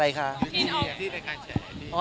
รายการอะไรคะ